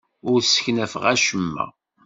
Ur sseknafeɣ acemma.